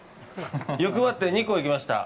欲張って２個、行きました。